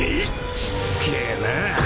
しつけぇな。